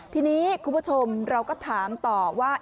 ทีนี้คุณผู้ชมเราก็ถามต่อว่า